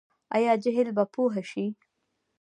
آیا جهل به پوهه شي؟